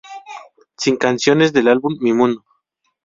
Sin canciones del álbum "Mi mundo".